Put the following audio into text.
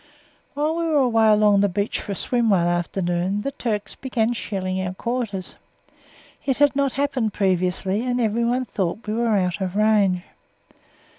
While we were away along the beach for a swim one afternoon, the Turks began shelling our quarters. It had not happened previously, and everyone thought we were out of range.